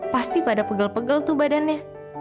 pasti pada pegel pegel tuh badannya